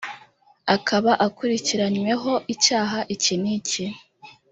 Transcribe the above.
akaba akurikiranyweho icyaha iki niki